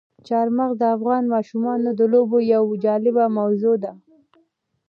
چار مغز د افغان ماشومانو د لوبو یوه جالبه موضوع ده.